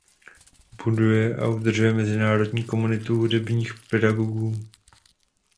Buduje a udržuje mezinárodní komunitu hudebních pedagogů.